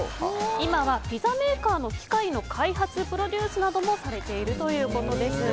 今はピザメーカーの機械の開発・プロデュースなどもされているということです。